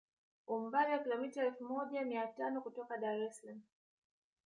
Umbali wa kilometa elfu moja mia tano kutoka Dar es Salaam